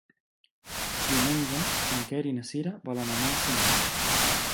Diumenge en Quer i na Cira volen anar al cinema.